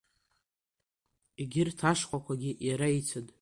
Егьырҭ ашхәақәагьы Иара ицын.